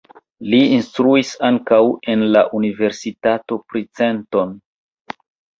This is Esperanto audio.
Li instruis ankaŭ en la Universitato Princeton.